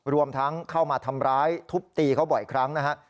รวมทั้งเข้ามาทำร้ายทุบตีเขาบ่อยครั้งนะฮะ